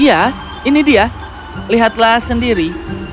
iya ini dia lihatlah sendiri